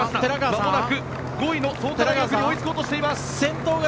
まもなく５位の創価大学に追いつこうとしています。